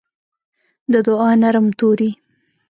د دوعا نرم توري